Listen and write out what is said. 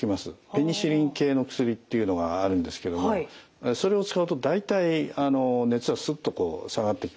ペニシリン系の薬っていうのがあるんですけれどもそれを使うと大体熱はスッとこう下がってきます。